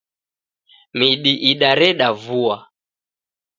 Midi idareda vua.